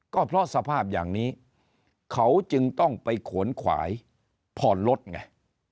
ก็เพราะสภาพอย่างนี้เขาจึงต้องไปขวนขวายผ่อนรถไง